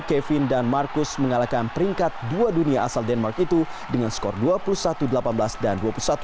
kevin dan marcus mengalahkan peringkat dua dunia asal denmark itu dengan skor dua puluh satu delapan belas dan dua puluh satu dua belas